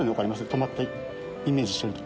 止まってイメージしてみて。